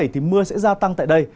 thì mưa sẽ gia tăng tại đây